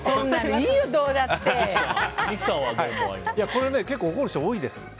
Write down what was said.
これは結構、怒る人多いです。